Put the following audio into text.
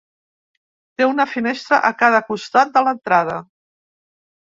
Té una finestra a cada costat de l'entrada.